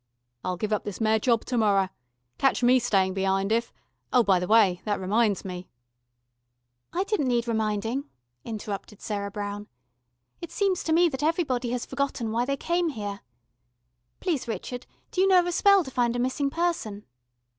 "I'll give up this Mayor job to morrer. Catch me stayin' be'ind if oh, by the way, that reminds me " "I didn't need reminding," interrupted Sarah Brown. "It seems to me that everybody has forgotten why they came here. Please, Richard, do you know of a spell to find a missing person?"